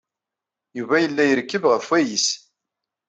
Yuba yella irekkeb ɣef wayis.